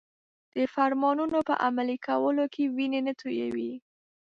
د فرمانونو په عملي کولو کې وینې نه تویوي.